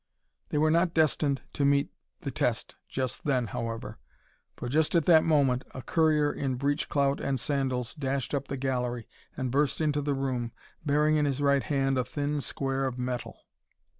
They were not destined to meet the test just then, however, for just at that moment a courier in breech clout and sandals dashed up the gallery and burst into the room, bearing in his right hand a thin square of metal.